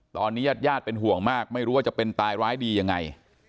ตอนนี้ญาติญาติเป็นห่วงมากไม่รู้ว่าจะเป็นตายร้ายดียังไง